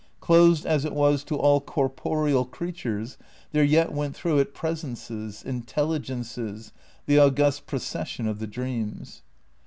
Closed as it was to all corporeal creatures, there yet went through it presences, intelligences, the august procession of the dreams.